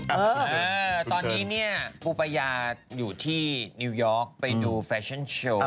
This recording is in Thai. เออตอนนี้เนี่ยปูปายาอยู่ที่นิวยอร์กไปดูแฟชั่นโชว์